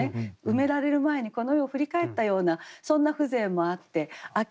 埋められる前にこの世を振り返ったようなそんな風情もあって「秋